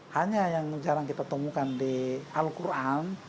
hanya yang jarang kita temukan di al quran